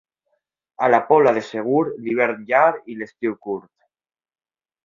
A la Pobla de Segur, l'hivern llarg i l'estiu curt.